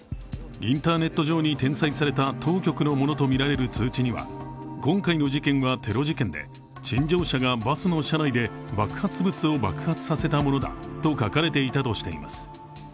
インターネット上に転載された当局のものとみられる通知には今回の事件は、テロ事件で陳情者がバスの車内で爆発物を爆発させたものだと書かれていたとしています。